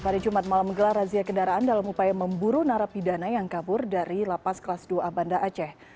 pada jumat malam menggelar razia kendaraan dalam upaya memburu narapidana yang kabur dari lapas kelas dua a banda aceh